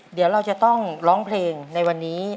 เดี๋ยวเราจะต้องร้องเพลงในวันนี้